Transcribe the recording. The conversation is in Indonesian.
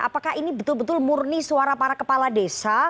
apakah ini betul betul murni suara para kepala desa